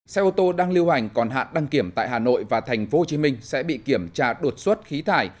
xe ô tô đang lưu hành còn hạn đăng kiểm tại hà nội và tp hcm sẽ bị kiểm tra đột xuất khí thải